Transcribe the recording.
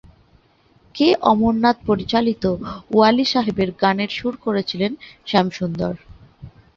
কে অমরনাথ পরিচালিত ওয়ালি সাহেবের গানের সুর করেছিলেন শ্যাম সুন্দর।